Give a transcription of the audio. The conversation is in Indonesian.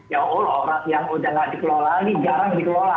ya allah orang yang udah gak dikelola ini jarang dikelola